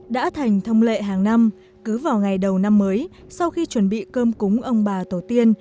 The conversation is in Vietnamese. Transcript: đã thành thông lệ hàng năm cứ vào ngày đầu năm mới sau khi chuẩn bị cơm cúng ông bà tổ tiên